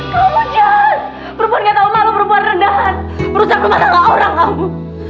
kamu jahat perempuan gak tau malu perempuan rendahan berusaha perempuan sama orang kamu